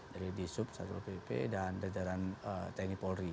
dari di sup satpol pp dan jajaran teknik polri